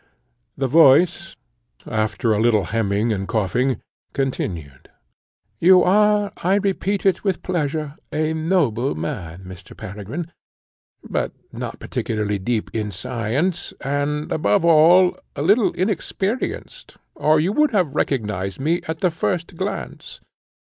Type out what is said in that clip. The voice, after a little hemming and coughing, continued, "You are, I repeat it with pleasure, a noble man, Mr. Peregrine; but not particularly deep in science, and, above all, a little inexperienced, or you would have recognised me at the first glance.